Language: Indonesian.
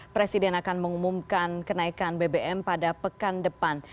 presiden akan mengumumkan kenaikan bbm pada pekan depan